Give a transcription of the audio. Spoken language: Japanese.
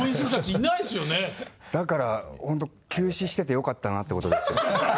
だからほんと休止しててよかったなってことですよ。